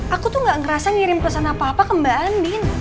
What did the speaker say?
aku tuh gak ngerasa ngirim pesan apa apa ke mbak andin